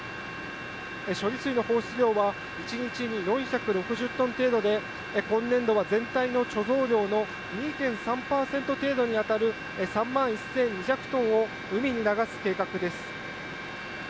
処理水の放出量は１日に４６０トン程度で、今年度は全体の貯蔵量の２．３％程度に当たる、３万１２００トンを海に流す計画です。